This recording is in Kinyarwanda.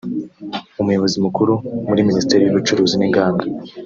Umuyobozi mukuru muri Minisiteri y’Ubucuruzi n’inganda